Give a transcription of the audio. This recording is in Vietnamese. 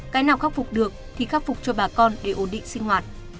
cái nào khắc phục được thì khắc phục cho bà con để ổn định sinh hoạt